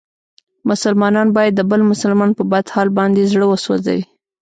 مسلمان باید د بل مسلمان په بد حال باندې زړه و سوځوي.